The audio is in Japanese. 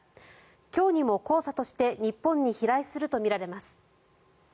今日にも黄砂として日本に飛来するとみられます。